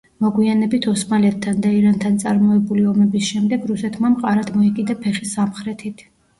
მოგვიანებით ოსმალეთთან და ირანთან წარმოებული ომების შემდეგ რუსეთმა მყარად მოიკიდა ფეხი სამხრეთით.